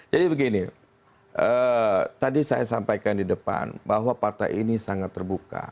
jadi begini tadi saya sampaikan di depan bahwa partai ini sangat terbuka